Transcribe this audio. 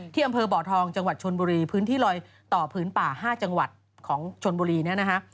อำเภอบ่อทองจังหวัดชนบุรีพื้นที่ลอยต่อพื้นป่า๕จังหวัดของชนบุรีเนี่ยนะคะ